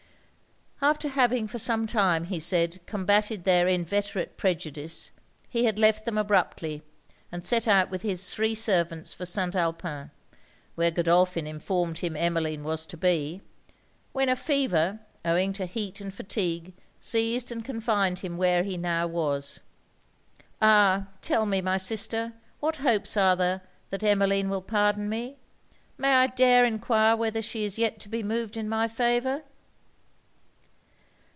After having for some time, he said, combated their inveterate prejudice, he had left them abruptly, and set out with his three servants for St. Alpin, (where Godolphin informed him Emmeline was to be;) when a fever, owing to heat and fatigue, seized and confined him where he now was. 'Ah, tell me, my sister, what hopes are there that Emmeline will pardon me? May I dare enquire whether she is yet to be moved in my favour?'